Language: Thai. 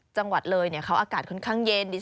จังหวัดเลยเขาอากาศค่อนข้างเย็น